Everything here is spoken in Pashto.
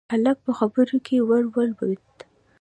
هلک په خبره کې ور ولوېد: